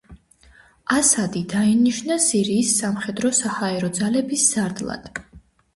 ასადი დაინიშნა სირიის სამხედრო-საჰაერო ძალების სარდლად.